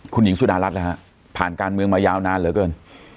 คุณหญิงสุดารัฐนะฮะผ่านการเมืองมายาวนานเหลือเกิน